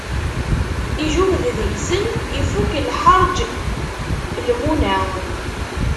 Ijuhed deg-sen, ifuk lḥerǧ lmuna.